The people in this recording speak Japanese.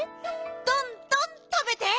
どんどんたべて！